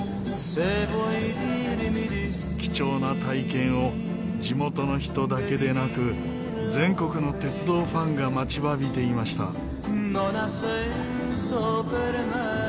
貴重な体験を地元の人だけでなく全国の鉄道ファンが待ちわびていました。